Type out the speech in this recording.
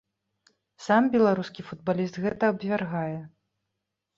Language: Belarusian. Сам беларускі футбаліст гэта абвяргае.